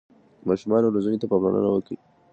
د ماشومانو روزنې ته پاملرنه وکړئ.